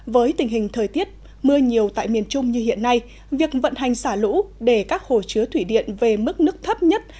với tình hình thời tiết mưa nhiều tại miền trung như hiện nay việc vận hành xả lũ để các hồ chứa thủy điện về mức nước thấp nhất